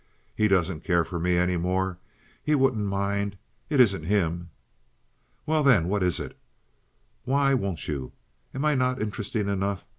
"He doesn't care for me any more. He wouldn't mind. It isn't him." "Well, then, what is it? Why won't you? Am I not interesting enough?